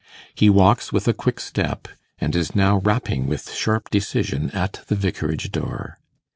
He walks with a quick step, and is now rapping with sharp decision at the vicarage door.